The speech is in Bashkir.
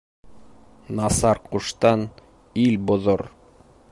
Насар ҡуштан ил боҙор